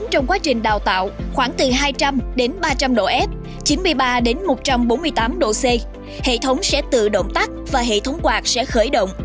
trong quá trình đào tạo khoảng từ hai trăm linh đến ba trăm linh độ f chín mươi ba một trăm bốn mươi tám độ c hệ thống sẽ tự động tắt và hệ thống quạt sẽ khởi động